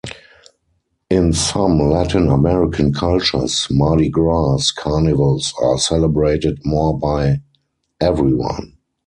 In some Latin American cultures, Mardi Gras carnivals are celebrated more by everyone.